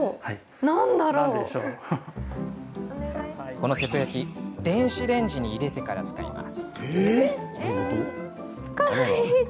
この瀬戸焼電子レンジに入れてから使います。